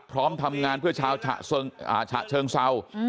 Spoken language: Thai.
พร้อมทำงานเพื่อชาวฉะเชิงเศร้า